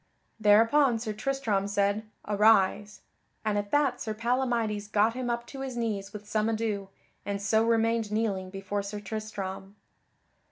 Thereupon Sir Tristram said, "Arise," and at that Sir Palamydes got him up to his knees with some ado, and so remained kneeling before Sir Tristram.